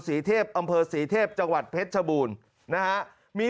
สีเทพอำเภอสีเทพจังหวัดเพชรชบูรณ์มี